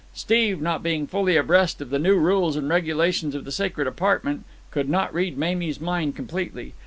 Steve, not being fully abreast of the new rules and regulations of the sacred apartment, could not read Mamie's mind completely.